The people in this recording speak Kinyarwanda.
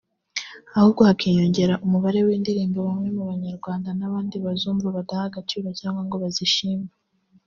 ahubwo hakiyongera umubare w’indirimbo bamwe mu banyarwanda n’abandi bazumva badaha agaciro cyangwa ngo bazishime